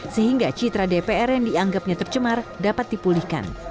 sehingga citra dpr yang dianggapnya tercemar dapat dipulihkan